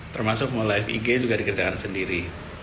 termasuk mau live ig juga dikerjakan sendiri